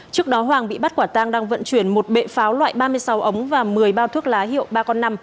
trước đó hoàng bị bắt quả tang đang vận chuyển một bệ pháo loại ba mươi sáu ống và một mươi bao thuốc lá hiệu ba con năm